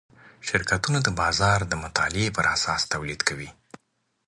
شرکتونه د بازار د مطالعې پراساس تولید کوي.